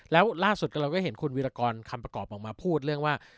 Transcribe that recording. แล้วล่าสุดเราก็เห็นคุณวิรากรคำประกอบออกมาพูดเรื่องว่า